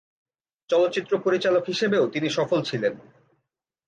চলচ্চিত্র পরিচালক হিসেবেও তিনি সফল ছিলেন।